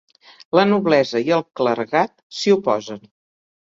La Noblesa i el Clergat s'hi oposen.